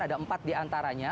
ada empat di antaranya